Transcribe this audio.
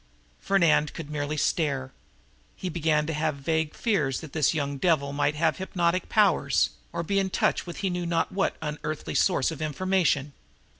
Fernand could merely stare. He began to have vague fears that this young devil might have hypnotic powers, or be in touch with he knew not what unearthly source of information.